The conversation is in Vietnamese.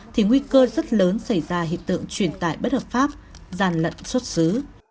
thì nguy cơ rất lớn xảy ra hiện tượng truyền tải bất hợp pháp gian lận xuất xứ